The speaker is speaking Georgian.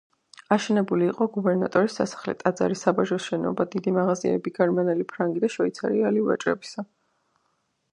აშენებული იყო გუბერნატორის სასახლე, ტაძარი, საბაჟოს შენობა, დიდი მაღაზიები გერმანელი, ფრანგი და შვეიცარიელი ვაჭრებისა.